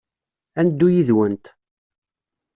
Ad neddu yid-went.